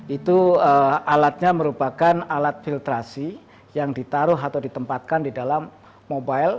itu alatnya merupakan alat filtrasi yang ditaruh atau ditempatkan di dalam mobile